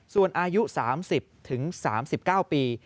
ส่วนอายุ๓๐๓๙ปี